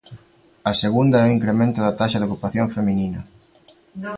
A segunda é o incremento da taxa de ocupación feminina.